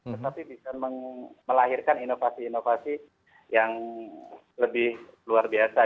tetapi bisa melahirkan inovasi inovasi yang lebih luar biasa